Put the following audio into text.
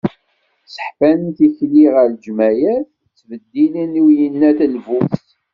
Sseḥfan tikli ɣer leğmayat, ttbeddilen i uyennat lbus.